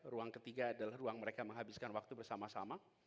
ruang ketiga adalah ruang mereka menghabiskan waktu bersama sama